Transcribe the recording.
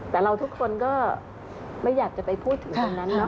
แต่เราทุกคนก็ไม่อยากจะไปพูดถึงตรงนั้นเนาะ